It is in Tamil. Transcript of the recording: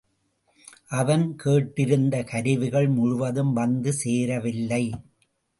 அவன் கேட்டிருந்த கருவிகள் முழுவதும் வந்து சேரவில்லை.